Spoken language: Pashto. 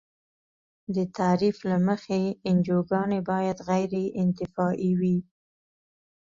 د تعریف له مخې انجوګانې باید غیر انتفاعي وي.